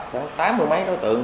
tám mươi mấy đối tượng